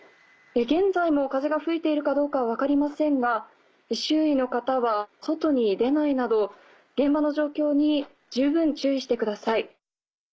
現在も風が吹いているかどうかは分かりませんが周囲の方は外に出ないなど現場の状況に十分注意してください。